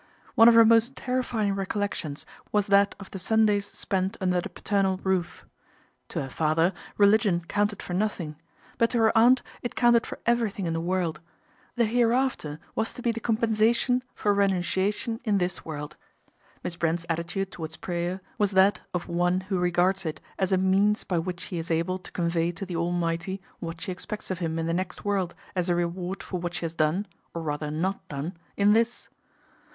One of her most terrifying recollections was that of the Sun days spent under the paternal roof. To her father, religion counted for nothing ; but to her aunt it counted for everything in the world ; the hereafter was to be the compensation for renunciation in this world. Miss Brent's attitude towards prayer was that of one who regards it as a means by which she is able to convey to the Almighty what she ex pects of Him in the next world as a reward for what she has done, or rather not done, in this.